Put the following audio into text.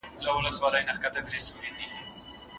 توپان راغی او د ټولو مړه سول غړي